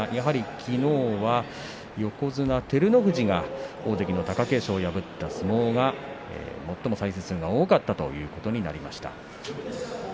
きのうは横綱照ノ富士が大関貴景勝を破った相撲が最も再生数が多かったということになりました。